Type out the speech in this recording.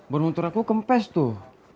baru motor aku kempes tuh